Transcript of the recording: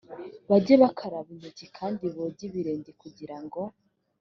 bajye bakaraba intoki kandi boge ibirenge kugira ngo